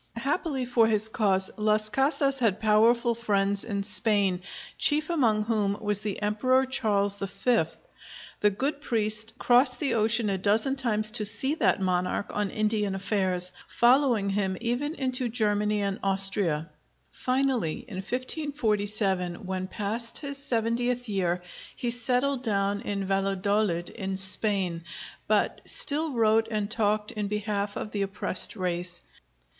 Happily for his cause, Las Casas had powerful friends in Spain, chief among whom was the Emperor Charles V. The good priest crossed the ocean a dozen times to see that monarch on Indian affairs, following him even into Germany and Austria. Finally in 1547, when past his seventieth year, he settled down in Valladolid, in Spain, but still wrote and talked in behalf of the oppressed race.